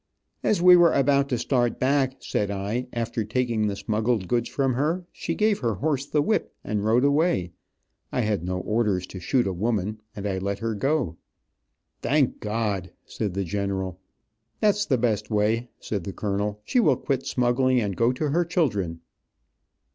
"As we were about to start back," said I, "after taking the smuggled goods from her, she gave her horse the whip, and rode away. I had no orders to shoot a woman, and I let her go." "Thank God," said the general. "That's the best way," said the colonel. "She will quit smuggling and go to her children."